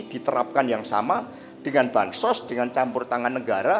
diterapkan yang sama dengan bansos dengan campur tangan negara